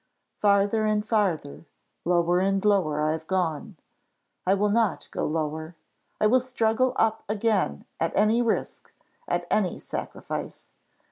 Farther and farther, lower and lower, I have gone: I will not go lower I will struggle up again at any risk, at any sacrifice.